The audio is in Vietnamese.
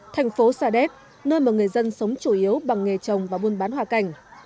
thành phố sa đéc nơi mà người dân sống chủ yếu bằng nghề trồng và buôn bán hòa cảnh